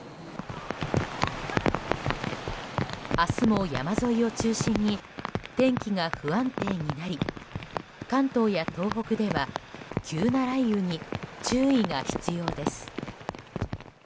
明日も山沿いを中心に天気が不安定になり関東や東北では急な雷雨に注意が必要です。